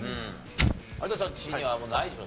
有田さんちにはもうないでしょ？